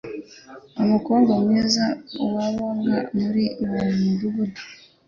Umukobwa mwiza wabaga muri uwo mudugudu.